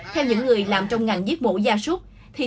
theo những người làm trong ngành giết bổ gia súc